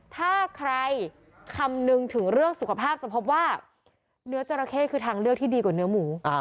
ถ้าใครคำนึงถึงเรื่องสุขภาพจะพบว่าเนื้อจราเข้คือทางเลือกที่ดีกว่าเนื้อหมู